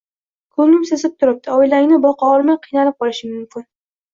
Ko'nglim sezib turibdi, oilangni boqa olmay qiynalib qolishing mumkin